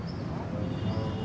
neng ani juga kan